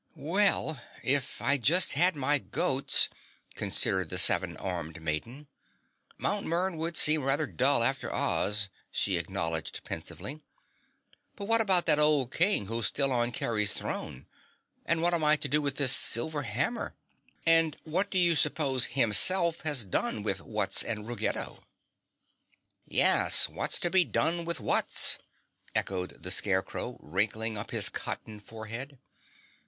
"Well, if I just had my goats " considered the seven armed maiden. "Mt. Mern would seem rather dull after Oz," she acknowledged pensively. "But what about that old King who's still on Kerry's throne and what am I to do with this silver hammer and what do you suppose Himself has done with Wutz and Ruggedo?" "Yes, what's to be done with Wutz?" echoed the Scarecrow wrinkling up his cotton forehead.